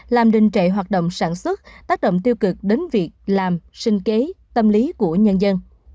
làm đình trệ hoạt động sản xuất tác động tiêu cực đến việc làm sinh kế tâm lý của nhân dân